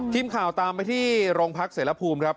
ทีมข่าวตามไปที่โรงพักเสรภูมิครับ